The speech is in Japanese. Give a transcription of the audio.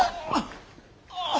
ああ。